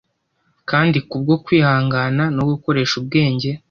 kandi kubwo kwihangana no gukoresha ubwenge